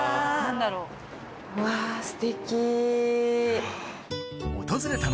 うわすてき。